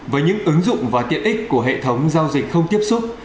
với những ứng dụng và tiện ích của hệ thống giao dịch không tiếp xúc